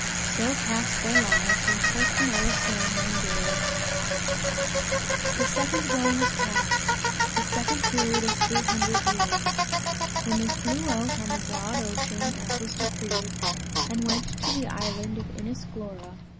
So passed their lives until Finola sang, one day, "The Second Woe has passed the second period of three hundred years," when they flew out on the broad ocean, as was decreed, and went to the island of Inis Glora.